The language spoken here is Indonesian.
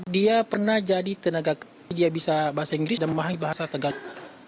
dia pernah jadi tenaga dia bisa bahasa inggris dan memahami bahasa tegak